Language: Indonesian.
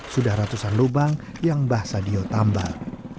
sudah ratusan lubang yang mbah sadio tambal